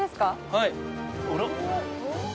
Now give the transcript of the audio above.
はい。